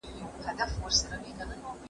څنګه مورنۍ ژبه د ماشوم مرسته کوي؟